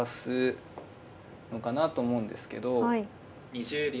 ２０秒。